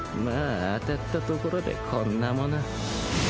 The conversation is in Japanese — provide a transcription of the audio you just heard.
まあ当たったところでこんなもの